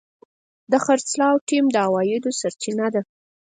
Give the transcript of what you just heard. د خرڅلاو ټیم د عوایدو سرچینه ده.